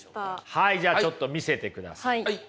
はいじゃあちょっと見せてください。